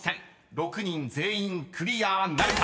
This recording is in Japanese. ［６人全員クリアなるか］